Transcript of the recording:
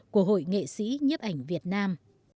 của hội nghệ sĩ nhiếp ảnh việt nam